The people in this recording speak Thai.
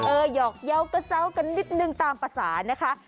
เออหยอกเย้าเกษากันนิดนึงตามภาษานะคะ